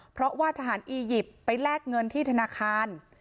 เพราะว่าทหารอียิปต์ไปแลกเงินที่ธนาคาร